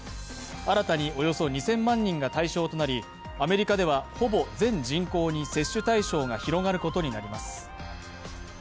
新たにおよそ２０００万人が対象となり、アメリカではほぼ全人口に接種対象が広がることになります。